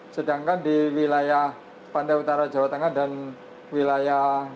sedangkan di wilayah pantai utara jawa tengah dan wilayah